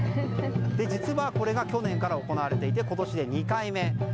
実はこれが去年から行われていて今年で２回目。